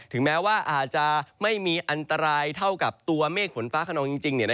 แม้ว่าอาจจะไม่มีอันตรายเท่ากับตัวเมฆฝนฟ้าขนองจริง